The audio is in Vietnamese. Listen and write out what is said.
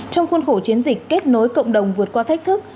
trong khuôn khổ chiến dịch kết nối cộng đồng vượt qua thách thức